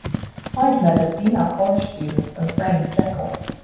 Hyde murders female college students and frames Jekyll.